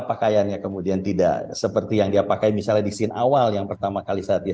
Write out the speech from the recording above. pakaiannya kemudian tidak seperti yang dia pakai misalnya di scene awal yang pertama kali saat dia